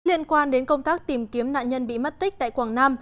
liên quan đến công tác tìm kiếm nạn nhân bị mất tích tại quảng nam